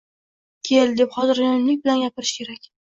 "Kel..." deb xotirjamlik bilan gapirish kerak